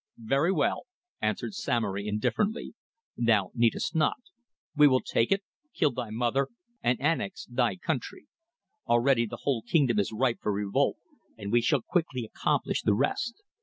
"Very well," answered Samory indifferently. "Thou needest not. We will take it, kill thy mother and annex thy country. Already the whole kingdom is ripe for revolt, and we shall quickly accomplish the rest.